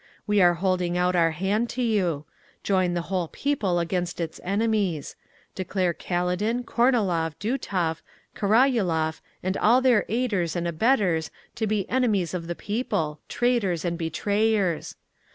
We are holding out our hand to you. Join the whole people against its enemies. Declare Kaledin, Kornilov, Dutov, Karaulov and all their aiders and abettors to be the enemies of the people, traitors and betrayers.